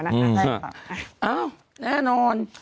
อ้าวแน่นอน